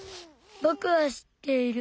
ぼくは知っている。